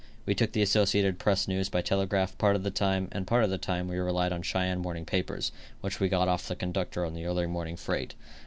We took the Associated Press news by telegraph part of the time and part of the time we relied on the Cheyenne morning papers, which we got of the conductor on the early morning freight.